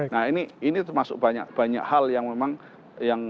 nah ini termasuk banyak hal yang memang harus diperhatikan